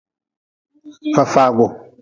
Fafagu.